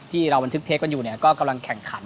ที่เรามันสึกเทกต์ว่าอยู่เนี่ยก็กำลังแข่งขัน